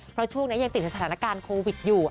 เพราะช่วงนี้ยังติดสถานการณ์โควิดอยู่